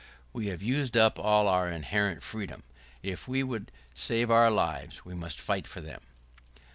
We have used up all our inherited freedom. If we would save our lives, we must fight for them.